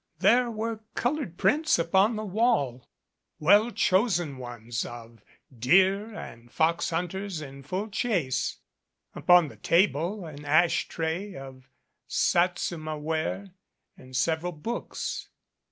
There were colored prints upon the wall, well chosen ones of deer and fox hunters in full chase; upon the table an ash tray of Satsuma ware and several books.